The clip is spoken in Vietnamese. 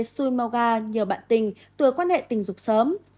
xui mau ga nhiều bạn tình tùy quan hệ tình dục sớm